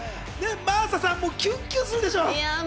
真麻さんもキュンキュンするでしょ？